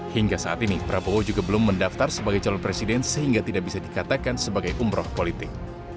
hingga saat ini prabowo juga belum mendaftar sebagai calon presiden sehingga tidak bisa dikatakan sebagai umroh politik